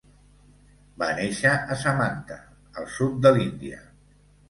Va néixer a Samanta, al sud de l'Índia.